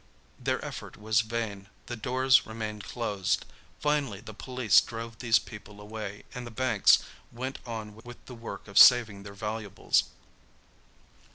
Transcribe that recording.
Their effort was vain; the doors remained closed; finally the police drove these people away, and the banks went on with the work of saving their valuables.